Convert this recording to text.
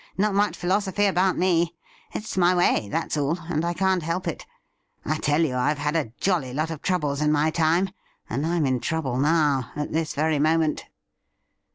Not much philosophy about me. It's my way, that's all, and I can't help it. I tell you, I have had a jolly lot of troubles in my time, and I'm in trouble now, at this very moment.'